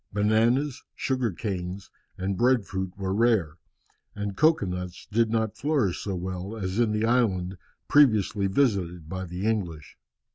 Bananas, sugar canes, and bread fruit were rare, and cocoa nuts did not flourish so well as in the island previously visited by the English.